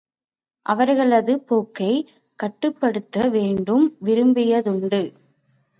அவர்களது போக்கை கட்டுப்படுத்த வேண்டும் விரும்பியதுண்டு.